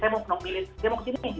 saya mau ke sini saya mau ke sini gitu